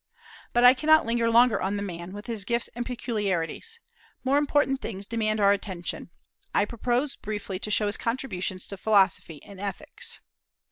But I cannot linger longer on the man, with his gifts and peculiarities. More important things demand our attention. I propose briefly to show his contributions to philosophy and ethics.